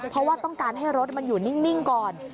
เพราะว่าต้องการให้รถมันอยู่นิ่งก่อน